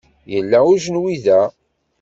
Yella ujenwi da.